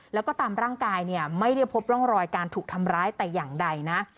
แล้วก็ตามร่างกายเนี่ยไม่ได้พบร่องรอยการถูกทำร้ายแต่อย่างใดนะ